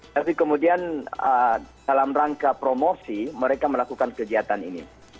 tapi kemudian dalam rangka promosi mereka melakukan kegiatan ini